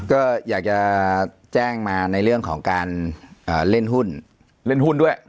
ก็อยากจะแจ้งมาในเรื่องของการเล่นหุ้นเล่นหุ้นด้วย